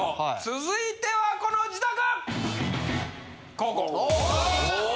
続いてはこの自宅！